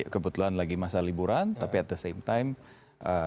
kebetulan lagi masa liburan tapi at the same time